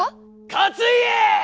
勝家！